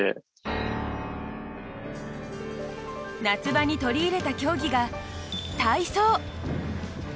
夏場に取り入れた競技が体操。